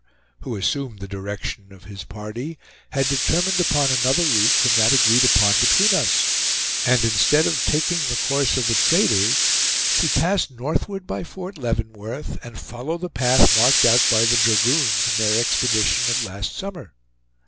who assumed the direction of his party, had determined upon another route from that agreed upon between us; and instead of taking the course of the traders, to pass northward by Fort Leavenworth, and follow the path marked out by the dragoons in their expedition of last summer.